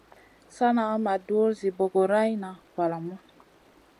Sana ma dur zi bogorayna valamu.